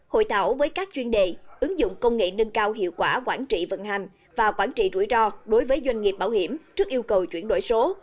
hội thảo với các chuyên đề ứng dụng công nghệ nâng cao hiệu quả quản trị vận hành và quản trị rủi ro đối với doanh nghiệp bảo hiểm trước yêu cầu chuyển đổi số